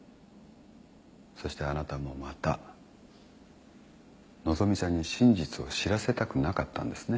そしてあなたもまた希美ちゃんに真実を知らせたくなかったんですね。